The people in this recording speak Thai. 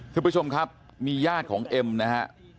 คุณผู้ชมครับมีญาติของเอ็มนะฮะ